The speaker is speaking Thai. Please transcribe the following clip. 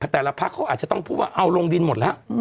แต่ละพักเขาอาจจะต้องพูดว่าเอาลงดินหมดแล้ว